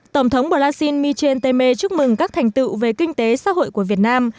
tổng thống brazil michel temer chúc mừng các thành tựu về kinh tế xã hội của việt nam